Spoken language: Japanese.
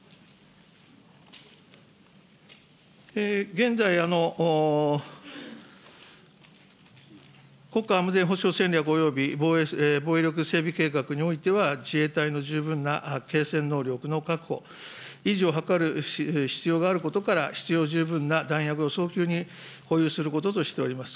現在、国家安全保障戦略および防衛力整備計画においては、自衛隊の十分な継戦能力の確保、維持を図る必要があることから、必要十分な弾薬を早急に保有することとしております。